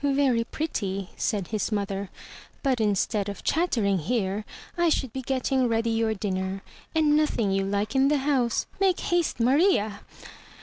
"Very pretty,'* said his mother. "But instead of chattering here I should be getting ready your dinner. And nothing you like in the house! Make haste, Maria!'